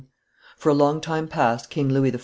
For a long time past King Louis XIV.